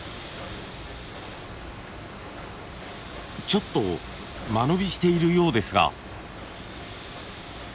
ちょっと間延びしているようですが。